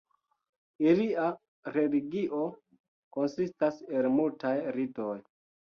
Ilia religio konsistas el multaj ritoj.